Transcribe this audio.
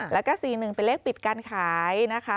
แล้วก็๔๑เป็นเลขปิดการขายนะคะ